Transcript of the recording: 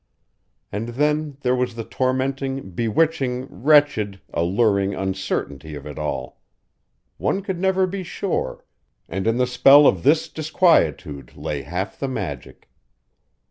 And then there was the tormenting, bewitching, wretched, alluring uncertainty of it all. One could never be sure, and in the spell of this disquietude lay half the magic.